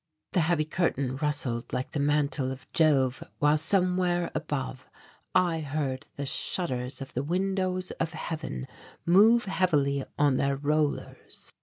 The heavy curtain rustled like the mantle of Jove while from somewhere above I heard the shutters of the windows of heaven move heavily on their rollers.